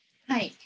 はい。